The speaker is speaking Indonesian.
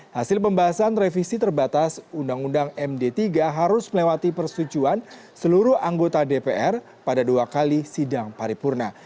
hasil pembahasan revisi terbatas undang undang md tiga harus melewati persetujuan seluruh anggota dpr pada dua kali sidang paripurna